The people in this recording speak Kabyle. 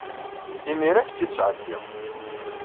Imir-a, ad ak-tt-id-sɛeddiɣ.